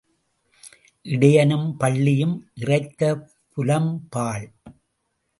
இடையனும் பள்ளியும் இறைத்த புலம் பாழ்.